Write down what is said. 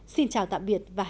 xin chào tạm biệt và hẹn gặp lại